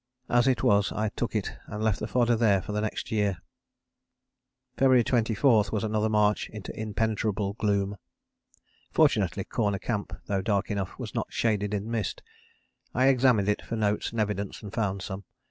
As it was I took it and left the fodder there for next year. February 24 was another march into impenetrable gloom. Fortunately Corner Camp, though dark enough, was not shaded in mist. I examined it for notes and evidence and found some.